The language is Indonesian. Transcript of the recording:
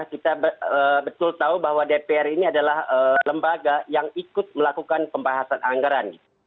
kita betul tahu bahwa dpr ini adalah lembaga yang ikut melakukan pembahasan anggaran